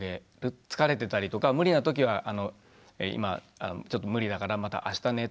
疲れてたりとか無理な時は「今ちょっと無理だからまたあしたね」とか。